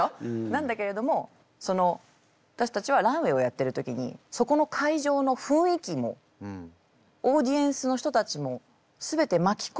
なんだけれども私たちはランウェイをやってる時にそこの会場の雰囲気もオーディエンスの人たちもすべて巻きこんでまとう。